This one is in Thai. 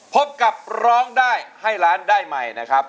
พบกับร้องได้ให้ล้านได้ใหม่นะครับ